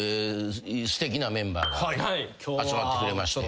すてきなメンバーが集まってくれまして。